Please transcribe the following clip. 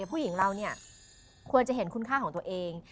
ผู้หญิงเราเนี่ยควรจะเห็นคุณค่าของตัวเอง